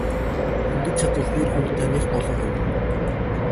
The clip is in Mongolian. Ингэж чадвал нэр хүнд таных болон хувирна.